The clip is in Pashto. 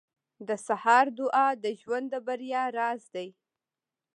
• د سهار دعا د ژوند د بریا راز دی.